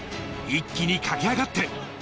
一気に駆け上がって。